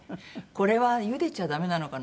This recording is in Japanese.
これはゆでちゃ駄目なのかな？